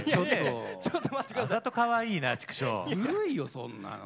そんなの。